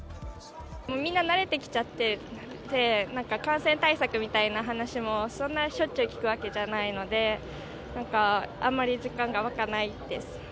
みんな慣れてきちゃって、なんか感染対策みたいな話もそんなにしょっちゅう聞くわけじゃないので、なんかあんまり、実感が湧かないです。